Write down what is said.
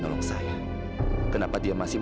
namun saya lebih n quiet